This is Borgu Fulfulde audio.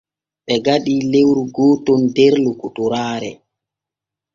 Ɓe gaɗi lewru gooton der lokotoraare.